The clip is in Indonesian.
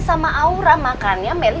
sama aura makanya meli